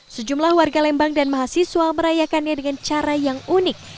sejumlah warga lembang dan mahasiswa merayakannya dengan cara yang unik